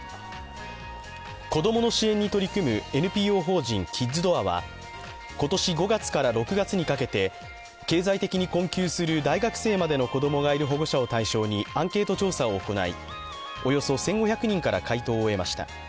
子供の支援に取り組むＮＰＯ法人キッズドアは今年５月から６月にかけて経済的に困窮する大学生までの子供がいる保護者を対象にアンケート調査を行い、およそ１５００人から回答を得ました。